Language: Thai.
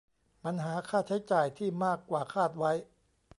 ปัญหาค่าใช้จ่ายที่มากกว่าคาดไว้